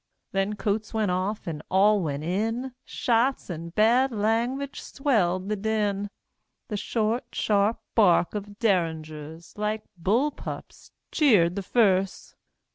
Then coats went off, and all went in; Shots and bad language swelled the din; The short, sharp bark of Derringers, Like bull pups, cheered the furse.